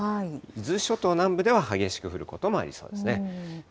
伊豆諸島南部では、激しく降るこ東京はどうですか。